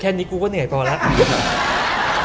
นี้กูก็เหนื่อยพอแล้ว